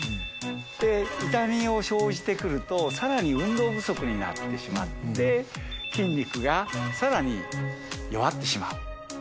で痛みを生じてくると更に運動不足になってしまって筋肉が更に弱ってしまう。